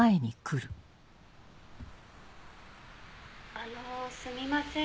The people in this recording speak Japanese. あのすみません。